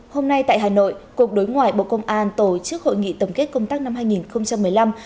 hôm nay tại hà nội cục đối ngoại bộ công an tổ chức hội nghị tổng kết công tác năm hai nghìn một mươi năm